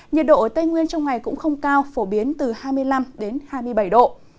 nhiệt độ ở tây nguyên trong ngày cũng không cao phổ biến từ hai mươi năm đến hai mươi bảy độ